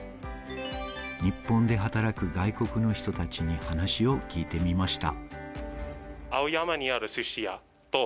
日本で働く外国の人たちに話を聞いてみました。